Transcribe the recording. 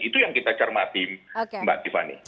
itu yang kita cermati mbak tiffany